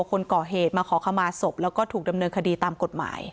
คนก่อเหตุมาขอขมาศพแล้วก็ถูกดำเนินคดีตามกฎหมาย